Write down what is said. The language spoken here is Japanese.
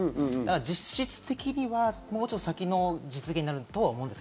実質的にはもうちょっと先の実現になるとは思います。